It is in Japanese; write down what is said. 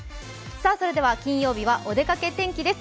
それでは金曜日はお出かけ天気です。